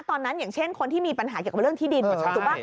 อย่างเช่นคนที่มีปัญหาเกี่ยวกับเรื่องที่ดินถูกป่ะ